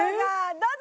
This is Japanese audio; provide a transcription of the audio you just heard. どうぞ！